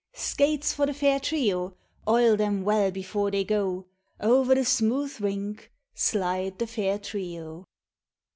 " Skates for the fair trio, Oil them well before they go," Over the smooth rink Slide the fair trio.